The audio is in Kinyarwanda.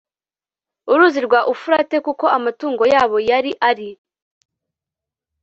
uruzi rwa ufurate kuko amatungo yabo yari ari